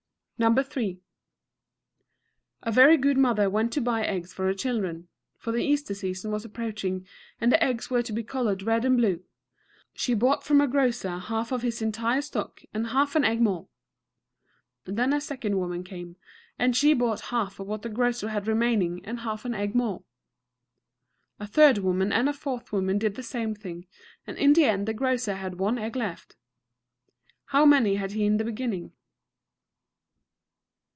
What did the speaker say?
No. III. A good mother went to buy eggs for her children, for the Easter season was approaching, and the eggs were to be colored red and blue. She bought from a grocer half of his entire stock and half an egg more. Then a second woman came, and she bought half of what the grocer had remaining and half an egg more. A third woman and a fourth woman did the same thing, and in the end the grocer had one egg left. How many had he in the beginning?